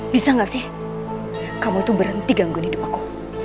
bisa gak sih kamu tuh berhenti gangguin hidup aku